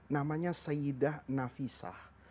namanya sayyidah nafisah